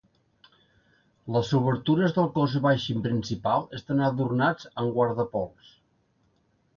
Les obertures del cos baix i principal estan adornats amb guardapols.